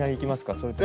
それとも。